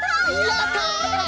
やった！